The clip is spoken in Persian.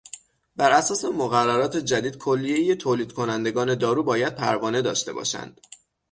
براساس مقررات جدید کلیهی تولید کنندگان دارو باید پروانه داشته باشند.